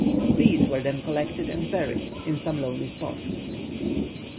These were then collected and buried in some lonely spot.